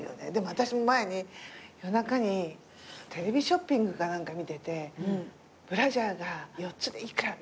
私も前に夜中にテレビショッピングか何か見ててブラジャーが４つで幾らみたいなのがあって。